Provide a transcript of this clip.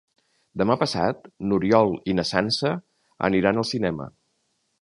Demà passat n'Oriol i na Sança aniran al cinema.